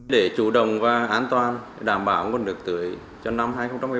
để chủ động và an toàn đảm bảo còn được tới năm hai nghìn một mươi bảy